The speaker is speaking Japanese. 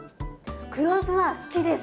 黒酢は好きです。